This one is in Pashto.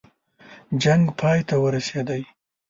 جنګ پای ته ورسېدی.